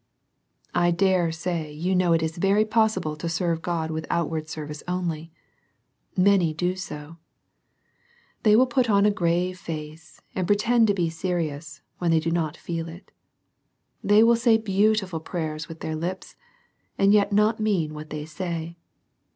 I dare say you know it is very possible to serve God with outward service only. Many do so. They will put on a grave face, and pretend to be serious, while they do not feel it They will say beautiful prayers with their lips, and yet not mean what they say.